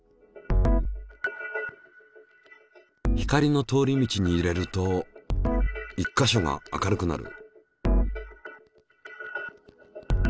光の通り道に入れると１か所が明るくなる。